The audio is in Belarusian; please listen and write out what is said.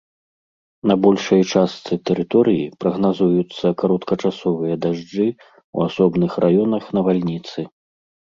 На большай частцы тэрыторыі прагназуюцца кароткачасовыя дажджы, у асобных раёнах навальніцы.